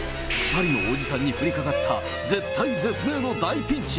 ２人のおじさんに降りかかった絶体絶命の大ピンチ。